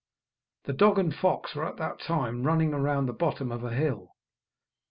The dog and fox were at that time running round the bottom of a hill.